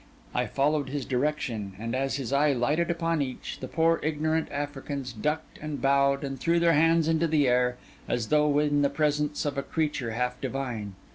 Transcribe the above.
I followed his direction; and as my eye lighted upon each, the poor ignorant Africans ducked, and bowed, and threw their hands into the air, as though in the presence of a creature half divine.